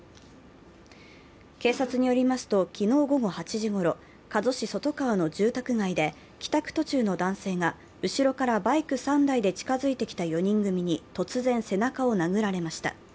警察によりますと、昨日午後８時ごろ、加須市外川の住宅街で、帰宅途中の男性が後ろからバイク３台で近付いてきた４人組に突然、背中を殴られました。